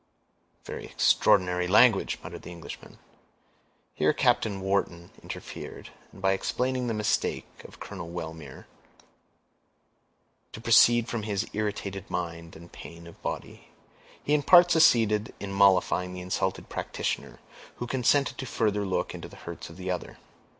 "Very extraordinary language," muttered the Englishman. Here Captain Wharton interfered; and, by explaining the mistake of Colonel Wellmere to proceed from his irritated mind and pain of body, he in part succeeded in mollifying the insulted practitioner, who consented to look further into the hurts of the other.